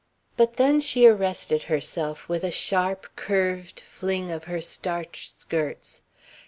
But then she arrested herself with a sharp, curved fling of her starched skirts.